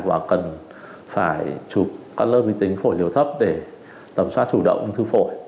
và cần phải chụp cắt lớp vi tính phổi liều thấp để tầm soát chủ động ung thư phổi